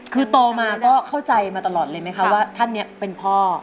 คือโตมาก็เข้าใจมาตลอดเลยไหมคะว่าท่านนี้เป็นพ่อ